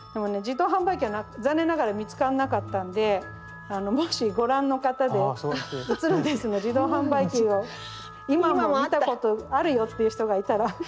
自動販売機は残念ながら見つかんなかったんでもしご覧の方で「写ルンです」の自動販売機を今も見たことあるよっていう人がいたら。